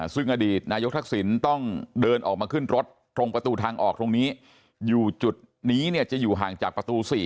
ซึ่งอดีตนายกทักษิณต้องเดินออกมาขึ้นรถตรงประตูทางออกตรงนี้อยู่จุดนี้เนี่ยจะอยู่ห่างจากประตู๔